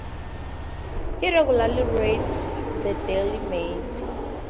He regularly reads the "Daily Mail".